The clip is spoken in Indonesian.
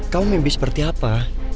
kamu mimpi seperti apa